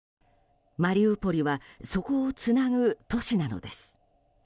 マリウポリはそこをつなぐ都市なのです。